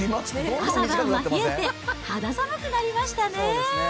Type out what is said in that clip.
朝晩は冷えて、肌寒くなりましたね。